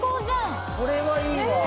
これはいいわ。